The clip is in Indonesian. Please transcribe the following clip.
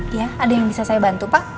iya ada yang bisa saya bantu pak